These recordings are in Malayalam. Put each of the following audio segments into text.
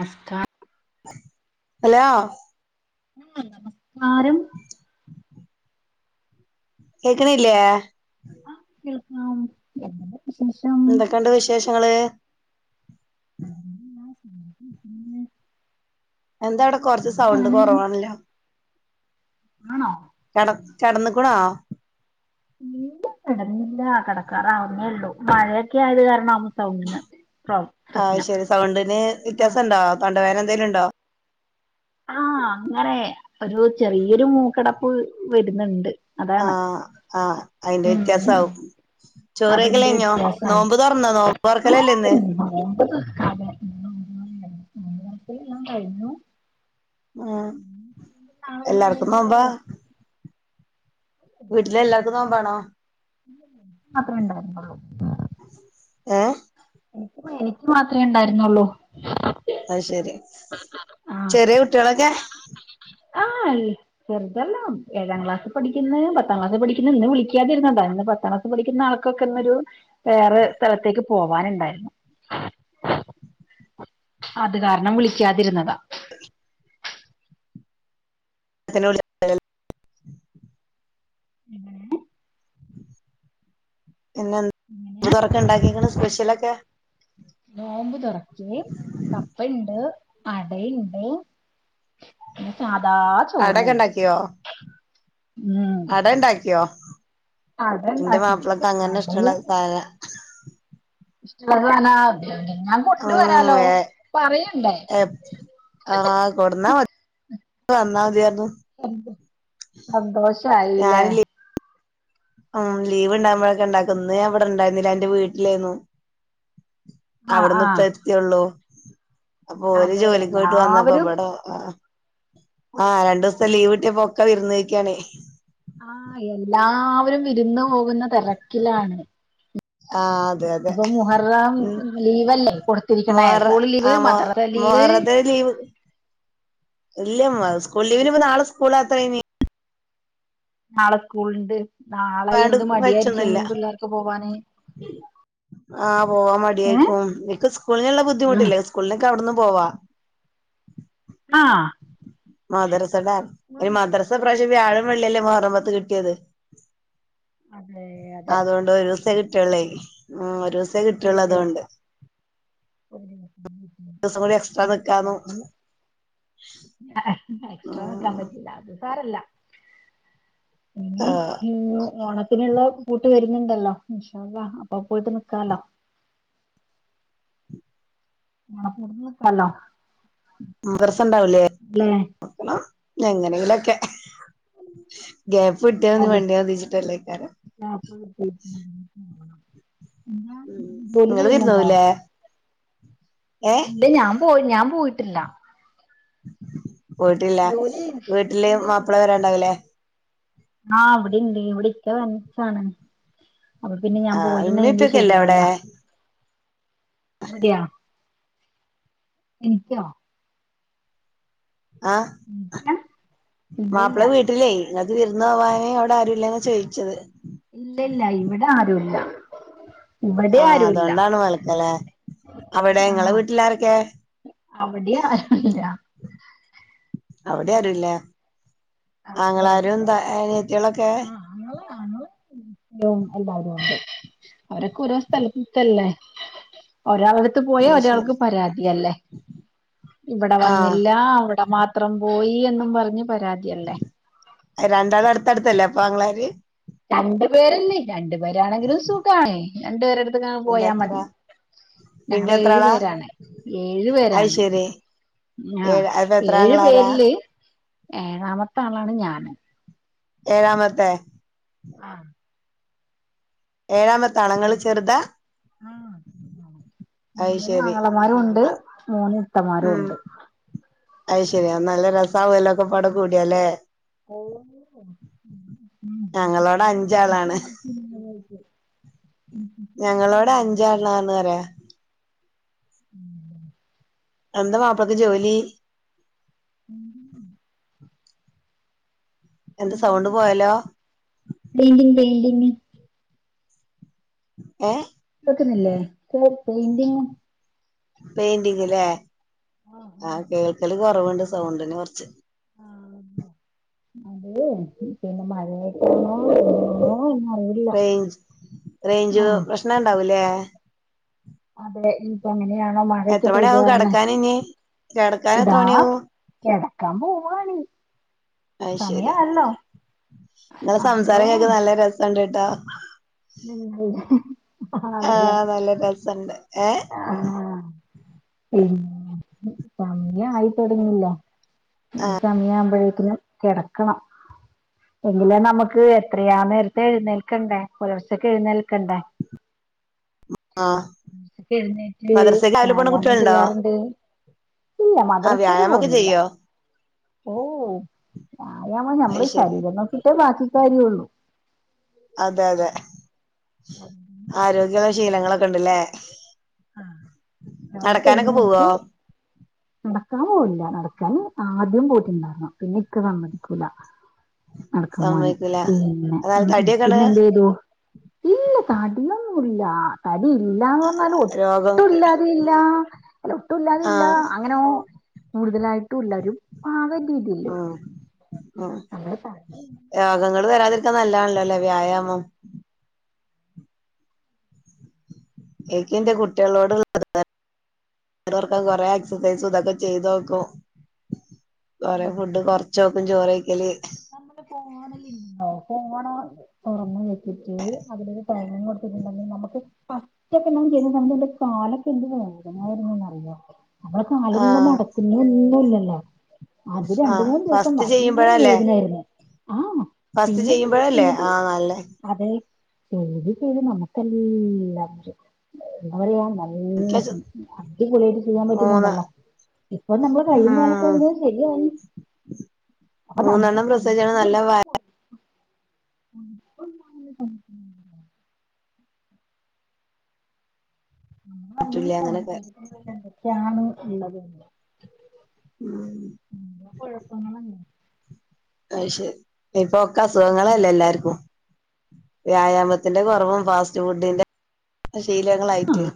[unintelligible] സ്കാ അലോ [inaudible] സ്കാരം കേക്ക്ണില്ലേ കേൾക്കാം [inaudible] വിശേഷം എന്തൊക്കെണ്ട് വിശേഷങ്ങള് [inaudible] എന്താ അവ്ടെ കൊർച്ച് സൗണ്ട് എവിടെയാണ് കൊറവാണല്ലോ ആണോ കെട കെടന്ന്ക്ക്ണോ ഇല്ല [unintelligible] കെടന്നില്ല കെടക്കാറാവുന്നേ ഒള്ളൂ മഴയൊക്കെ ആയത് കാരണം ആയ്ശരി സൗണ്ടിന് ആ വിറ്റ്യാസണ്ടോ തൊണ്ടവേന എന്തെലുണ്ടോ ആഹ് അങ്ങനെ ഒരു ചെറിയൊരു മൂക്കടപ്പ് വരുന്നുണ്ട് അതാണ് ആഹ് ആഹ് അയ്ന്റെ വിറ്റ്യാസാവും അതെൻ്റെ വെറ്റ്യാസാണ് തുറക്കലല്ലേ [unintelligible] ഇന്ന് ന്‌ക്കാന് [inaudible] നോമ്പ് തൊറക്കലെല്ലാം കഴിഞ്ഞു ആഹ് എല്ലാർക്കും മാത്രമേ നോമ്പ വീട്ടിലെല്ലാർക്കും നോമ്പാണോ [inaudible] ഏഹ് എനിക്ക് മാത്രെ ണ്ടായിര്ന്നൊള്ളൂ അയ്ശരി ആഹ് ചെറിയ കുട്ടിയേളൊക്കെ ആഹ് അൽ ചെർതെല്ലാം ഏഴാം ക്ലാസിപ്പഠിക്ക്‌ന്നെ പത്താം ക്ലാസി പഠിക്ക്ന്നെ പിന്നെ വിളിക്കാതിര്ന്നന്ത ഇന്ന് പത്താംക്ലാസ് വിളിക്കുന്ന ആൾക്കൊക്കെ ഇന്നൊരു വേറെ സ്ഥലത്തേക്ക് പോവാനുണ്ടായിരുന്നു അത് കാരണം വിളിക്കാതിരുന്നതാ [unintelligible] [unintelligible] പിന്നെൻ [inaudible] തൊറക്ക് ണ്ടാക്കീക്ക്ണ് സ്പെഷ്യലൊക്കെ നോമ്പ് തൊറക്ക് കപ്പെണ്ട് അടയ്ണ്ട് ന്നെ സാധാ അടയൊക്കെ ചോറൂണ്ട് ഉണ്ടാക്കിയോ അട ണ്ടാക്കിയോ അട ന്റെ ഉണ്ടാക്കി മാപ്പിളക്ക് അങ്ങനെ അടയും ഷ്ടള്ളഹ് സാന ഇഷ്ടള്ള സാന ഞാൻ കൊണ്ട് ഉം വരാലോ ഏ പറയണ്ടേ ആഹ് കൊട്ന്നാ [inaudible] വന്നാ അതിയാർന്നു സന്തോഷായീലെ ആഹ് ലീവ് ണ്ടാവുമ്പഴൊക്കെ ണ്ടാക്കുംന്ന് ഞാൻ വടെ ണ്ടായ്ന്നില എന്റെ വീട്ടിലേയ്ന്നു ആഹ് അവടന്ന് ആഹ് പ്പെത്തിയൊള്ളൂ അപ്പൊ ഓല് അതെ ജോലിക്ക് പോയിട്ട് വന്നപ്പോ എല്ലാവരും ബട ആഹ് ആഹ് രണ്ടൂസത്തെ ലീവ് ട്ടിയപ്പോ ഒക്ക വിരുന്ന് പൊയ്ക്കാണേയ് ആഹ് എല്ലാവരും വിരുന്ന് പോകുന്ന തെരക്കിലാണ് ആഹ് അതെ അതെ ഇപ്പൊ മുഹറം ഉം ലീവല്ലേ കൊടുത്തിരിക്കണേ വേറെ സ്കൂൾ ലീവ് ആ മ മദ്രസ ലീവ് മുഹറത്തിന് ലീവ് ഇല്ല മ്മ സ്കൂൾ ലീവിന് ഇപ്പ നാളെ സ്കൂളാതെയ്നി നാളെ സ്കൂൾണ്ട് നാളെ പാട് എന്ത് മടിയായിരിക്കും വെച്ചൊന്നുമില്ല ഇനീ പിള്ളേർക്ക് പോവാന് ആഹ് പോവാൻ ഏഹ് മടിയായിരിക്കും നിക്ക് സ്കൂളിന്ള്ള ബുദ്ധിമുട്ടില്ലേ സ്കൂളിനൊക്കെ അവിടുന്നും പോവാ ആഹ് മദ്‌റസട അയ്ന് മദ്രസ ഇപ്രാശ്യം വ്യാഴം വെള്ളിയല്ലേ മുഹറം പത്ത് കിട്ടിയേത് അതേ അതെ ഒരൂസെ കിട്ടിയൊള്ളെയ് ഉം ഒരൂസെ കിട്ട് ഒരു ദിവസം [inaudible] ഉം ദിവസം കൂടി എക്സ്ട്രാ ഉം നിക്കാന്ന് കൊഴപ്പല്ല എക്സ്ട്രാ ന്ക്കാൻ ഉം പറ്റ് ഇല്ല അത് സാരല്ല ഇനി ആഹ് ഓണ പിന്നെ ള്ള പൂട്ട് വരുന്നുണ്ടല്ലോ ഇഷ അള്ള അപ്പൊ പോയിട്ട് നിക്കാലോ മണപ്പുറത്ത് നിക്കാലോ മദ്രസണ്ടാവുലെ അല്ലേ [unintelligible] എങ്ങനെലൊക്കെ ഗ്യാപ്പ് ഇട്ടിയതി അതെ വണ്ടിയതിച്ചിട്ടല്ലേക്കാര [unintelligible] എന്താ ഉം ജോലി ഇങ്ങള് വിരുന്നു ചെയ്യുന്നുണ്ടോ പോവില്ലേ ഇല്ല ഞാൻ പോയി ഞാൻ പോയിട്ടില്ല പോയിട്ടില്ല ജോലി വീട്ടില് ഇല്ലേ മാപ്പിള വരാണ്ടാവൂലേ ആഹ് ഇവിട്ണ്ട് ഇവിട് ഇക്ക തനിച്ചാണ് അപ്പൊ പിന്നെ ഞാൻ ആഹ് ഇമ്മീം പോയിട്ടുണ്ടെങ്കി ഇപ്പൊക്കെ ഇല്ലേ ശരിയാവില്ല അവിടെ അതെയാ എനിക്കോ ആഹ് ഇല്ല ഇല്ലില്ല മാപ്പിളെ വീട് ട്ടില്ലേ നിങ്ങക്ക് വിർന്ന് പോവാനേ അവിടെ ആരുല്ലേന്നാ ചോയിച്ചത്. ഇല്ല ഇല്ല ഇവിടെ ആരുല്ല. ഇവിടെ ആഹ് ആരുല്ല അതൊണ്ടാണ് വൽക്കലെ അവിടെ ഇങ്ങളെ വീട്ടിലാരൊക്കെ. അവിടിയും ആരുല്ല. അവിടെ ആരുല്ലേ. ആങ്ങളാരും എന്താ അനിത്തിളൊക്കെ. [unintelligible] [unintelligible] എല്ലാരും ഉണ്ട് അവരൊക്കെ ഓരോ സ്ഥലത്ത് നിക്കല്ലേ ഒരാൾ രിടിത്ത് പോയാ അയ്ശരി ഒരാൾക്ക് പരാതിയല്ലേ ഇവിടെ ആഹ് വന്നില്ല അവിടെ മാത് ത്രം പോയി എന്നും പറഞ്ഞ് പരാതിയല്ലേ. രണ്ടാളും അടുത്തടുത്തല്ലേ അപ്പൊ ആങ്ങളാര്? രണ്ടു പേരല്ലേ രണ്ടു പേരാണെങ്കിലും സുഖാണ് രണ്ടു പേരെടുത്ത് ങ്ങക്ക് പിന്നെ പോയാ എത്ര മതി. പിന്നെ ഞങ്ങള് എത്ര ഏഴു ആളാ പേരാണ്, ഏഴു അത് പേരാണ്. ശരി ആഹ് ഏഴ് അപ്പൊ എത്ര ഏഴു ആങ്ങളാരാ പേരില് ഏഴാമത്തെ ആളാണ് ഞാന്. ഏഴാമത്തെ. ആഹ്. ഏഴാമത്തെ ആളൊ ങ്ങള് ചെറുതാ. അത് മൂന്ന് ശരി ആങ്ങളമാരുംണ്ട് മൂന്ന് ഇത്തമാരും ഉണ്ട്. അയ് ശരി അത് നല്ല രസാവുല്ലോ. ഒക്കെപ്പാടെ കൂടിയാലേ ഓ [inaudible] ഞങ്ങളോടെ അഞ്ചാളാണ് [unintelligible] ഞങ്ങളിവിടെ അഞ്ചാളാന്ന് പറയ. [inaudible] എന്ത ബാപ്പക്ക് ജോലി? [inaudible] എന്താ സൗണ്ട് പോയല്ലോ. Building painting. ഏ കേക്കുന്നില്ലേ കേ പെയിന്റിങ്ങ്. പെയിന്റിങ്ങല്ലേ ആ ആഹ് കേൾക്കല് കുറവുണ്ട് സൗണ്ടിന് കുറച്ച്. ആ അതേ പിന്നെ മഴയായിട്ടാണോ എന്നറിയില്ല റേഞ്ച് റേഞ്ച് ആഹ് പ്രശ്നം ഇണ്ടാവൂല്ലെ. അതെ ഇനിപ്പ എങ്ങനെയാണോ മഴക്കെ എത്ര പെയ്തു മണിയാവും കാരണെ. കെടക്കാൻ ഇനി കെടക്കാൻ എത്ര ഇതാ മണിയാവും കെടക്കാൻ പോവാണ്. അയ് ശരി സമയായല്ലോ ങ്ങടെ അപ്പൊ സംസാരം കേക്കാൻ നല്ല രസംണ്ട്ട്ടോ. [unintelligible] ആണല്ലേ ആഹ് നല്ല രസണ്ട്. ഏ ആഹ് പിന്ന സമയ ആയി തുടങ്ങീല്ല. ഈ സമയം ആവുമ്പഴേക്കിനും കെടക്കണം. എങ്കിലേ നമുക്ക് എത്രയാ നേരത്തെ എഴുന്നേൽക്കണ്ടേ? പുലർച്ചെക്ക് എഴുന്നേൽക്കണ്ടേ? ആഹ്. പുലർച്ചെ എഴുന്നേറ്റ് മദ്രസക്ക് രാവിലെ പോണ വ്യായാമം കുട്ടികളുണ്ടോ ചെയ്യാറുണ്ട്. ഇല്ല ആഹ് മദ്രസെല് വ്യായാമൊക്കെ പോകുന്നില്ല. ചെയ്യോ ഓ വ്യായാമം അത് ഞമ്മള് ശരി ശരീരം നോക്കിട്ടേ ബാക്കി കാര്യള്ളൂ. അതെ അതെ ആരോഗ്യള്ള ശീലങ്ങളൊക്കെ ഉണ്ടല്ലേ? ആഹ് രാവിലെ നടക്കാനൊക്കെ പോവോ? എഴുന്നേറ്റ് നടക്കാൻ പോവില്ല നടക്കാൻ ആദ്യം പോയിട്ടിണ്ടാർന്നു പിന്നെ ഇക്ക സമ്മതിക്കൂല നടക്കാൻ പോവാന് സമ്മയ്ക്കൂല പിന്നെ അതായത് ഉം ഉം തടിയൊക്കെണ്ട് പിന്നെന്തെയ്തു ഇല്ല തടിയൊന്നും ഇല്ല തടി ഇല്ലാന്ന് പർഞ്ഞാല് ഒ രോഗം ഒട്ടും ഇല്ലാതെ ഇല്ല അല്ല ഒട്ടും ഇല്ലാതെ ഇല്ല ആഹ് അങ്ങനെ കൂടുതലായിട്ടും ഇല്ല ഒരു പാകം രീതീല് ആഹ് രോഗങ്ങള് വെരാതിരിക്കാൻ നല്ലതാണല്ലോല്ലേ വ്യായാമം ഇൻക്കിന്റെ കുട്ട്യാളോട് [unintelligible] [unintelligible] കൊർക്കാൻ കൊറെ എക്സസൈസും ഇതൊക്കെ ചെയ്തോക്കും കൊറെേ ഫുഡ് കൊർച്ചോക്കും ചോറെയ്ക്കല് നമ്മളെ ഫോണില്ണ്ടോ ഫോണ് തൊറന്ന് വെച്ചിട്ട് അതിലൊരു ടൈമിങൊ ട്ത്ത്ണ്ടെങ്കി നമ്മക്ക് [unintelligible] ചെയ്യ്ത്ട്ട്ണ്ടെങ്കി ന്റെ കാലൊക്കെ എന്ത് വേദനായിരുന്നുന്നറിയോ നമ്മള് കാലൊന്നും ആഹ് മടക്കുന്നൊന്നുല്ലല്ലോ അത് രണ്ട് ആഹ് മൂന്ന് ദിവസം ഫസ്റ്റ് ഭയങ്കര വേ ചെയ്യുമ്പഴല്ലേ യിരുന്നു ആഹ് ഫസ്റ്റ് ചെയ്യുമ്പഴല്ലേ ആഹ് നല്ലെ അതെ ചെയ്ത് ചെയ്ത് നമുക്കെല്ല [unintelligible] എന്താ പറയാ നല്ല എനിക്ക് [unintelligible] അടിപൊളിയായിട്ട് ചെയ്യാൻ മൂന്ന് പറ്റ്ന്ന്ണ്ടല്ലോ ഇപ്പൊ നമ്മളെ കയ്യും ഉം കാലൊക്കൊന്ന് ശരിയായി അപ്പൊ നമ്മുടെ മൂന്നെണ്ണം പ്രസവിച്ചാണ്ട് ശരീരത്തിന്റെ നല്ല ഉള്ളിൽ വ പോലും വയറ്റില്ലേ അങ്ങനൊക്കെ [unintelligible] എന്തൊക്കെയാണ് ള്ളത് [unintelligible] ഉം കൊഴപ്പങ്ങളാണ് അത് ശെരി ഇപ്പൊക്കെ അസുഖങ്ങളല്ലെ എല്ലാര്ക്കും വ്യായാമത്തിന്റെ കൊറവും ഫാസ്റ്റ് ഫുഡിന്റെ ശീലങ്ങളായിട്ട്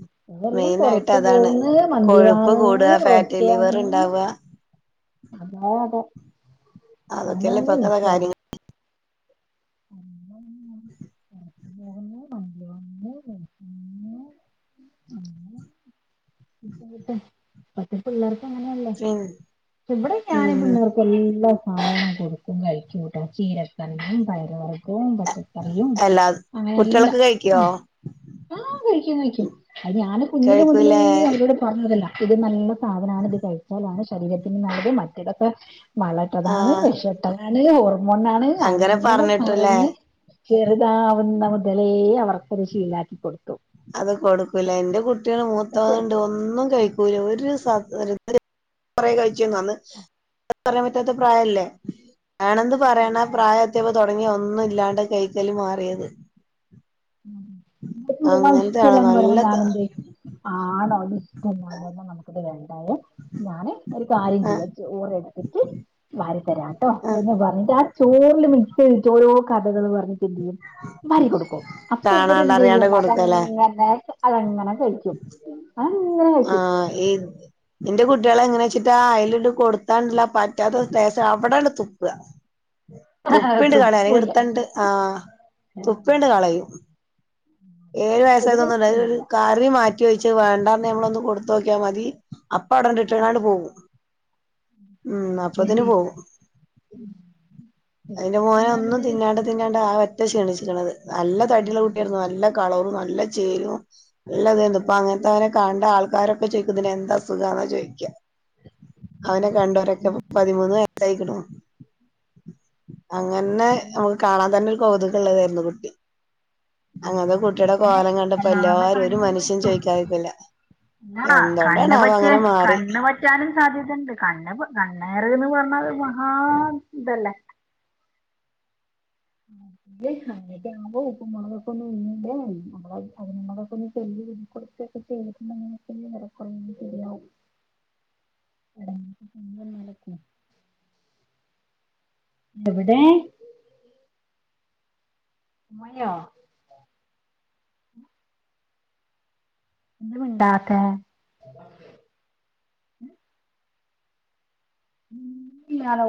ഇപ്പെ എല്ലം മെയിനായിട്ട് പൊറത്ത് അതാണ് പോവ്ന്ന് മന്തി കൊഴുപ്പ് വാങ്ങ്ന്ന് കൂടാ ഫാറ്റ് ബ്രോസ്റ്റ് ലിവർ വാങ്ങ്ന്ന് ഇണ്ടാവ അതാ അവടെ അതൊക്കെയല്ലേ ഇപ്പഴത്തെ [unintelligible] കാര്യങ്ങൾ [unintelligible] [unintelligible] വാങ്ങുന്നു റോസ്റ്റ്. കിട്ടും കിട്ടും ഇപ്പത്തെ പിള്ളേർക്കങ്ങനെയല്ലെ [unintelligible] ഇവടെ ഞാൻ ഉം പിള്ളേർക്ക് എല്ലാ സാധനം കൊടുക്കും കഴിക്കും ട്ടോ ശീലായി തൈരും പയറ് വർഗും പച്ചക്കറിയും അല്ലാ അങ്ങനെല്ലാം കുട്ടികളൊക്കെ കഴിക്കോ ഉം ആഹ് കഴിക്കും കഴിക്കും അത് ഞാന് കുഞ്ഞില് മുതലേ കഴിക്കൂലേ അവരോട് പറഞ് വിടലാ ഇത് നല്ല സാധനാണ് ഇത് കഴിച്ചാലാണ് ശരീരത്തിന് നല്ലത് മറ്റേതൊക്കെ വളട്ടതാണ് ആഹ് വിഷട്ടതാണ് ഹോർമോണാണ് അങ്ങനെ പറഞ്ഞ് ചെറുതാവുന്ന മുതലേ അവർക്കത് ശീലാക്കി കൊടുത്തു അത് കൊടുക്കുലെ ഇന്റെ കുട്ട്യാള് മൂത്തത്ത് കൊടുത്തു ണ്ട് ഒന്നും കഴിക്കൂല ഒരു സാ [unintelligible] കൊറെ കഴിച്ചിന്നു അന്ന് പറയാൻ പറ്റാത്ത പ്രായല്ലേ വേണംന്ന് പറയ്ണ പ്രായെത്യപ്പോ തൊടങ്ങി ഒന്നും ഇല്ലാണ്ട് കയ്ക്കല് മാറിയത് [unintelligible] അങ്ങനത്തെ ആളാ ഇഷ്ടല്ലാന്ന് പറയുമ്പോ നല്ല ഞാനെന്തെയ്യും ആണോ അത്ഷ്ടല്ല [unintelligible] നമക്ക്‌ത് രണ്ടായും ഞാന് ഒരു കാര്യം ആഹ് ചെയ്യാ ചോർ എടുത്തിട്ട് വാരിതരാട്ടോ ആഹ് എന്ന് പറഞ്ഞിട്ട് ആഹ് ചോറ്‌ല് മിക്സെയ്ത്ട്ട് ഓരോ കഥകള് പറഞ്ഞിട്ടെന്തെയ്യും വാരി കൊടുക്കും പ്പ കാണാണ്ട് അറിയാണ്ട് വരെന്തെയും കൊടുക്കലേ അതങ്ങനെ അതങ്ങനെ കഴി [inaudible] അതങ്ങ ആഹ് ഈ ഇന്റെ കുട്യേളെങ്ങനെച്ചിട്ട അയലിണ്ട് കൊടുത്താണ്ടല്ലോ പറ്റാത്ത ടേസ അവിടണ്ട് തുപ്പ. തുപ്പിണ്ട് കളയ ല്ലെങ്കി തുപ്പൂല്ല എടുത്തണ്ട് ആഹ് തുപ്പിണ്ട് കളയും. ഏഴ് ഒരു വയസായി ഒന്നുണ്ട് അയ് ഒരു രക്ഷയില്ല കറി മാറ്റി വെച്ചു വാണ്ടാന്ന് മ്മളൊന്ന് കൊടുത്തോക്കിയാ മതി. അപ്പ അവടണ്ട്ട്ട് ങ്ങാണ്ട് പോവും ഉം അപ്പൊത്തിന് പോവും. അയ്ന് അത് ഞാൻ മോനൊന്നും പിന്നെ തിന്നാണ്ട്. തിന്നാണ്ട് ആ വറ്റെ ക്ഷീണിച്ചിക്കണത് നല്ല തടിള്ള കുട്ടിയാര്ന്നു നല്ല കളറും നല്ല ചേലും. ഇള്ള തേന്ന് ഇപ്പൊ അങ്ങനത്തെ അവനെ കാണ്ട ആൾക്കാരൊക്കെ ചോയിക്കും ഇതിന് എന്ത അസുഖാന്നാ ചോയിക്ക്യ അവനെ കണ്ടോരൊക്കെ പതിമൂന്ന് വയസായിക്കുണൂ. അങ്ങനെ നമുക്ക് കാണാൻ തന്നെര് കൗതുകള്ളതെരുന്നു കുട്ടി അങ്ങനെ കുട്ടിടെ കോലം കണ്ടപ്പോ അല്ലാതെ എല്ലാരും ഒരു കണ്ണും മനുഷ്യൻ വയ്ക്കും ചോയിക്കാതിരിന്നില്ല. ആ എന്തോണ്ടാ കണ്ണ് ണാവോ പറ്റിയ അങ്ങനെ മാറി. കണ്ണ് പറ്റാനും സാധ്യതണ്ട് കണ്ണ്പ് കണ്ണേറേന്ന് പറഞ്ഞാ അത് മഹാ ഇതല്ലേ. [unintelligible] ല്ലേ അങ്ങനോക്കമ്പോ ഉപ്പും, മുളകും, ഒക്കെ ഒന്ന് ഉമഴിഞ്മ്പോ നമ്മളത് അത് നമ്മളൊക്കെ ഒന്ന് ചെലീയൂതി ക്കൊട്‌ത്. ഒക്കെ എഴുന്നേൽക്കുംമ്പ ങ്ങനെ [unintelligible] കുറന്ന് ശെരിയാവും. എടഞ്ഞീട് ഉഞ്ഞ ഏലെ കും. ദിവിടെ ആയി മയോ? എന്ത മിണ്ടാത്തെ? ഉം ഇയാളോ?